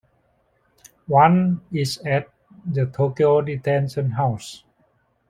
One is at the Tokyo Detention House.